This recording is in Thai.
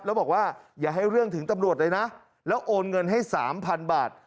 แล้วบอกว่าอย่าให้เรื่องถึงตำรวจเลยนะแล้วโอนเงินให้๓๐๐๐บาท